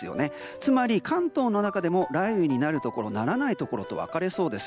つまり関東の中でも雷雨になるところならないところと分かれそうです。